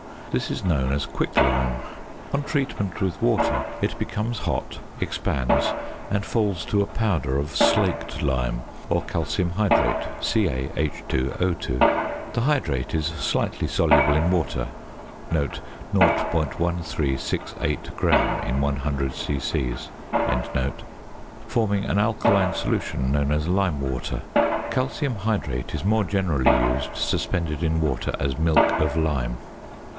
This is known as "quicklime"; on treatment with water it becomes hot, expands, and falls to a powder of "slaked lime" or calcium hydrate (CaH_O_). The hydrate is slightly soluble in water (0.1368 gram in 100 c.c.), forming an alkaline solution known as lime water. Calcium hydrate is more generally used suspended in water as "milk of lime."